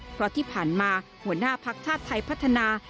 เพราะที่ผ่านมาหัวหน้าภักดิ์ชาติไทยพัฒนา